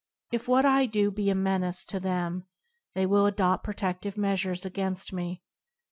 If what I do be a menace to them, they will adopt protedive measures against me.